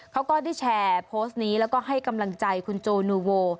เขาก็ได้แชร์โพสต์นี้แล้วก็ให้กำลังใจคุณโจนูโว